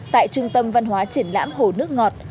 tại trung tâm văn hóa triển lãm hồ nước ngọt